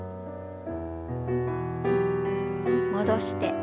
戻して。